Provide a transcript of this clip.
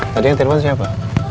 tadi yang telepon siapa